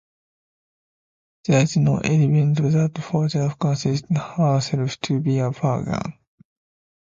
There is no evidence that Fortune considered herself to be a "Pagan".